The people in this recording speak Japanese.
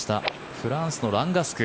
フランスのランガスク。